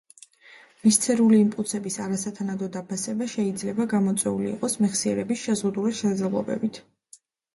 ვისცერული იმპულსების არასათანადო დაფასება შეიძლება გამოწვეული იყოს მეხსიერების შეზღუდული შესაძლებლობებით.